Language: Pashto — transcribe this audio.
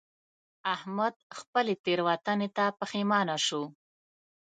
احمد خپلې تېروتنې ته پښېمانه شو.